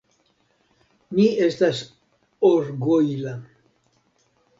Mi estas orgojla.